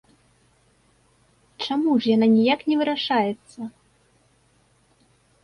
Чаму ж яна ніяк не вырашаецца?